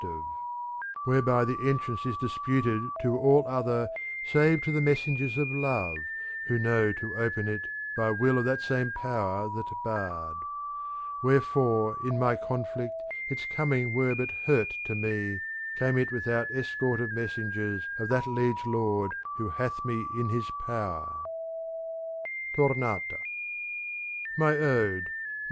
410 THE CONVIVIO Ode Whereby the entrance is disputed to all other Save to the messengers of love, vcho know to open it by will of that same power that barred. Where fore in my conflict its ^ coming were but hurt to me came it without escort of messengers of that liege lord who hath me in his power. ii'.'